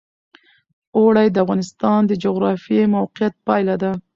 اوړي د افغانستان د جغرافیایي موقیعت پایله ده.